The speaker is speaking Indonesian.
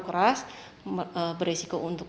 keras beresiko untuk